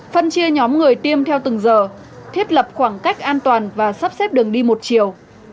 phân chia nhóm người tiêm theo từng giờ thiết lập khoảng cách an toàn và sắp xếp đường đi một chiều